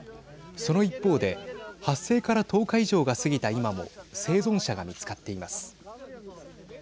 その一方で発生から１０日以上が過ぎた今も生存者が見つかっています。